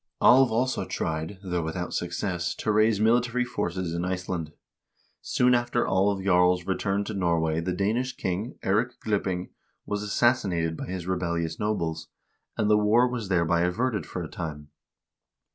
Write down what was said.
Alv also tried, though without success, to raise military forces in Iceland. Soon after Alv Jarl's return to Norway the Danish king, Eirik Glipping, was assassinated by his rebellious nobles, and the war was thereby averted for a time.